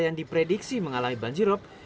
yang diprediksi mengalami banjir op